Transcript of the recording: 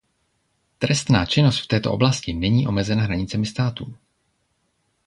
Trestná činnost v této oblasti není omezena hranicemi států.